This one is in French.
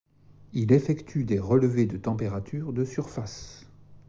Il effectue des relevés de température de surface.